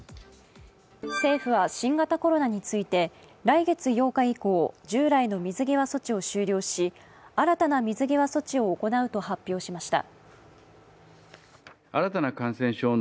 政府は新型コロナについて来月８日以降、従来の水際措置を終了し、新たな水際措置を行うと発表しました。